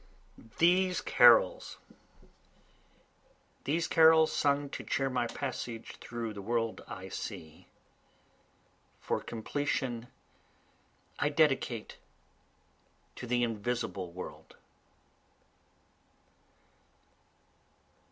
These Carols These carols sung to cheer my passage through the world I see, For completion I dedicate to the Invisible World.